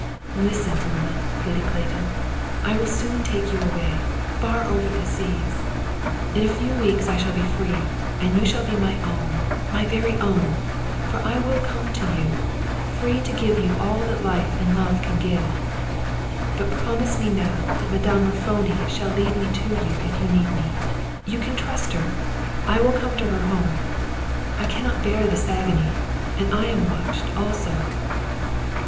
"Listen, Irma," pleaded Clayton. "I will soon take you away, far over the seas." "In a few weeks I shall be free, and you shall be my own, my very own! For I will then come to you, free to give you all that life and love can give. "But promise me now that Madame Raffoni shall lead me to you if you need me. You can trust her. I will come to her home. I cannot bear this agony, and I am watched, also!"